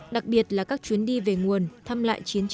đặc biệt là các chuyến đi về nguồn thăm lại chiến dịch